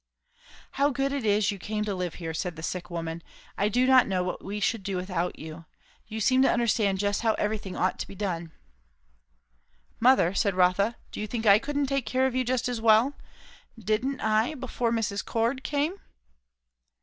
"How good it is you came to live here," said the sick woman. "I do not know what we should do without you. You seem to understand just how everything ought to be done." "Mother," said Rotha, "do you think I couldn't take care of you just as well? Didn't I, before Mrs. Cord came?"